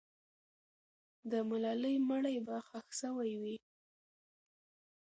د ملالۍ مړی به ښخ سوی وي.